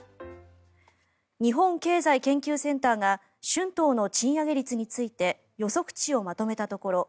日本経済研究センターが春闘の賃上げ率について予測値をまとめたところ